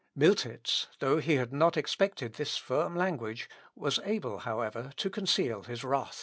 Miltitz, though he had not expected this firm language, was able, however, to conceal his wrath.